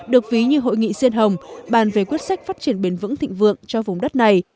được ví như hội nghị riêng hồng bàn về quyết sách phát triển bền vững thịnh vượng cho vùng đất này